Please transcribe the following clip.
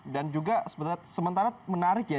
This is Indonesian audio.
dan juga sementara menarik ya